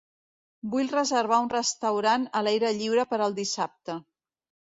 Vull reservar un restaurant a l'aire lliure per al dissabte.